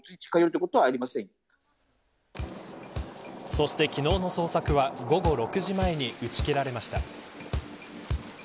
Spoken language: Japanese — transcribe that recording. そして昨日の捜索は午後６時前に打ち切られました。